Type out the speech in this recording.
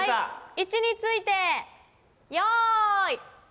位置についてよい。